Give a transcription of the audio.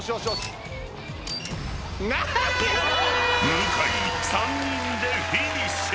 ［向井３人でフィニッシュ］